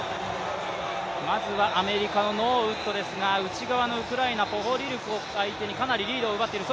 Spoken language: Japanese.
まずはアメリカのノーウッドですが内側のウクライナポホリルコを相手にかなりのリードを奪っています。